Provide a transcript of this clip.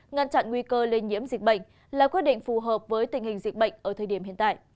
ngăn chặn nguy cơ lây nhiễm dịch bệnh là quyết định phù hợp với tình hình dịch bệnh ở thời điểm hiện tại